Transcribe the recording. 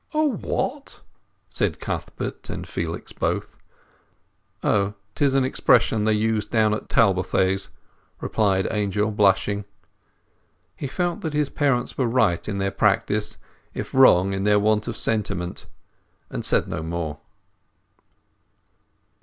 "A what?" said Cuthbert and Felix both. "Oh—'tis an expression they use down at Talbothays," replied Angel, blushing. He felt that his parents were right in their practice if wrong in their want of sentiment, and said no more.